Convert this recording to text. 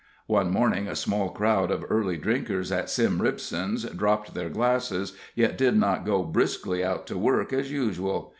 One morning a small crowd of early drinkers at Sim Ripson's dropped their glasses, yet did not go briskly out to work as usual.